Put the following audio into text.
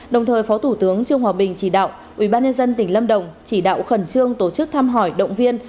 đồng thời phó thủ tướng trương hòa bình chỉ đạo ubnd tỉnh lâm đồng chỉ đạo khẩn trương tổ chức thăm hỏi động viên